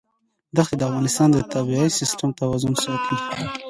دښتې د افغانستان د طبعي سیسټم توازن ساتي.